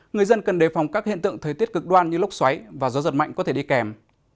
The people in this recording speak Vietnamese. người dân cần đề phòng các hiện tượng thời tiết cực đoan như lốc xoáy và gió giật mạnh có thể đi kèm